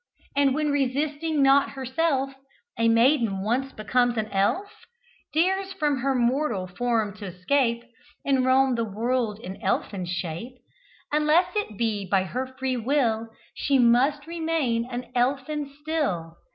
And when, resisting not herself, A Maiden once becomes an elf, Dares from her mortal form t' escape, And roam the world in Elfin shape, Unless it be by her free will, She must remain an Elfin still.